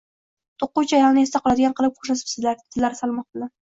To`quvchi ayolni esda qoladigan qilib ko`rsatibsiz, dedilar salmoq bilan